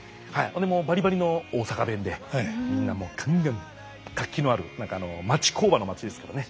もうバリバリの大阪弁でみんなもうガンガン活気のある何かあの町工場の町ですからね。